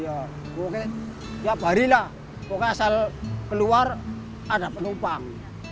jadi tiap hari lah asal keluar ada penumpang